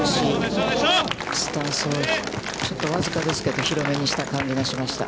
ちょっと僅かですけど、広めにした感じがしました。